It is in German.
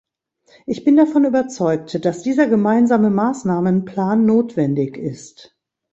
Ich bin davon überzeugt, dass dieser gemeinsame Maßnahmenplan notwendig ist.